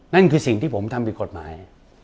นั่นคือสิ่งที่ผมทำผิดกฎหมาย